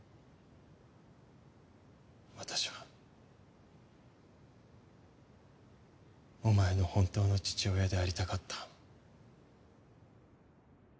私はお前の本当の父親でありたかった。